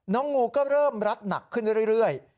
งูก็เริ่มรัดหนักขึ้นเรื่อย